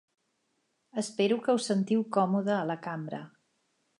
Espero que us sentiu còmoda a la cambra.